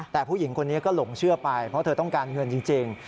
แต่ผู้หญิงคนนี้ก็หลงเชื่อไปเพราะเธอต้องการเงินจริง